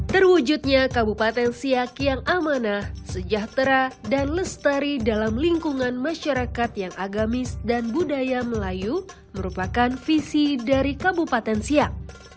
terwujudnya kabupaten siak yang amanah sejahtera dan lestari dalam lingkungan masyarakat yang agamis dan budaya melayu merupakan visi dari kabupaten siak